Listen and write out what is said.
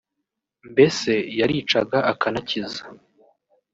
mbese yaricaga akanacyiza